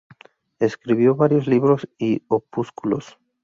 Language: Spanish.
Escribió varios libros y opúsculos.